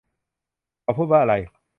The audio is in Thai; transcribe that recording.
เขาพูดว่าอะไร